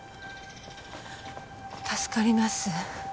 助かります。